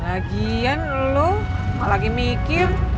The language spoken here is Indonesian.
lagian lu malah lagi mikir